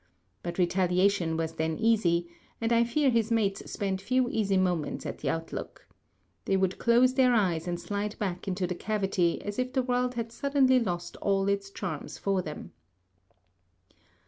But retaliation was then easy, and I fear his mates spent few easy moments at the outlook. They would close their eyes and slide back into the cavity as if the world had suddenly lost all its charms for them.